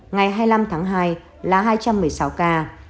ngày hai mươi năm tháng hai là hai trăm một mươi sáu ca